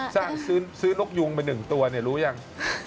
ซะซื้อลกยุงไปหนึ่งตัวเนี่ยรู้ยัง